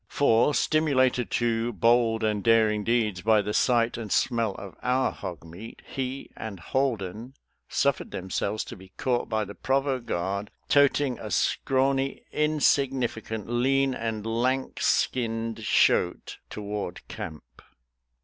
For stimulated to bold and daring deeds by the sight and smell of our hog meat, he and Holden suffered themselves to be caught by the provost guard, toting a scrawny, insignificant, lean, and lank skinned shoat toward camp.